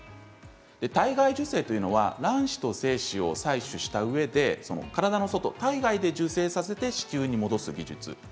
体外受精というのは卵子と精子を採取したうえで体の外、体外で受精させて子宮に戻す技術